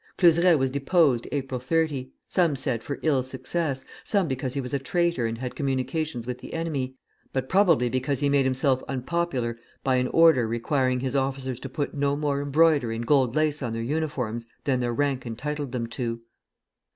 Cluseret was deposed April 30, some said for ill success, some because he was a traitor and had communications with the enemy, but probably because he made himself unpopular by an order requiring his officers to put no more embroidery and gold lace on their uniforms than their rank entitled them to.